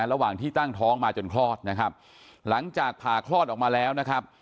ระหว่างที่ตั้งท้องมาจนคลอดนะครับหลังจากผ่าคลอดออกมาแล้วนะครับ